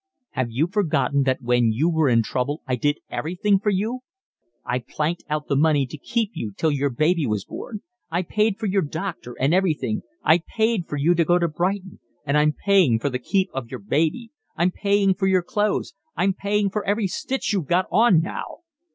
"Have you forgotten that when you were in trouble I did everything for you? I planked out the money to keep you till your baby was born, I paid for your doctor and everything, I paid for you to go to Brighton, and I'm paying for the keep of your baby, I'm paying for your clothes, I'm paying for every stitch you've got on now."